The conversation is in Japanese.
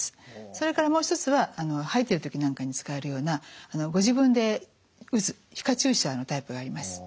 それからもう一つは吐いてる時なんかに使えるようなご自分で打つ皮下注射のタイプがあります。